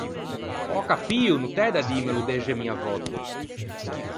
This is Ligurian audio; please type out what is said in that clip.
Ò accapio, no t’æ da dîmelo dexe mia vòtte!